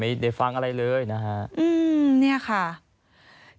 ทีนี้คุณผู้ชมค่ะทีมข่าวเราก็เลยไปที่ปั๊มน้ำมัน